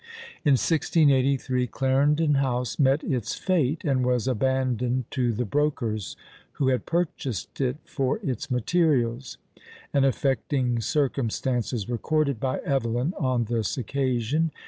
In 1683 Clarendon House met its fate, and was abandoned to the brokers, who had purchased it for its materials. An affecting circumstance is recorded by Evelyn on this occasion.